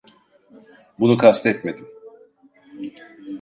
Bunu kastetmedim.